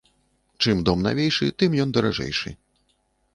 Чым дом навейшы, тым ён даражэйшы.